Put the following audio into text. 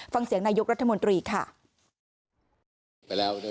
ฟังเสียงนายกรัฐมนตรีค่ะ